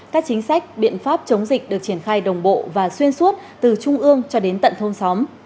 các chính sách biện pháp chống dịch được triển khai đồng bộ và xuyên suốt từ trung ương cho đến tận thôn xóm